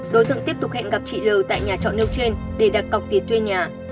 đối tượng tiếp tục hẹn gặp chị l tại nhà trọ nêu trên để đặt cọc tiền thuê nhà